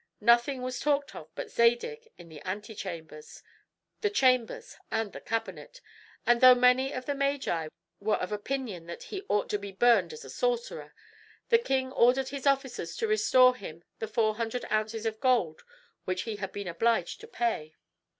Nothing was talked of but Zadig in the antechambers, the chambers, and the cabinet; and though many of the magi were of opinion that he ought to be burned as a sorcerer, the king ordered his officers to restore him the four hundred ounces of gold which he had been obliged to pay.